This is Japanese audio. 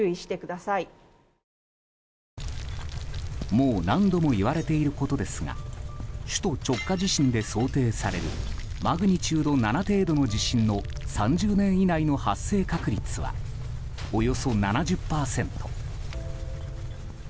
もう何度も言われていることですが首都直下地震で想定されるマグニチュード７程度の地震の３０年以内の発生確率はおよそ７０％。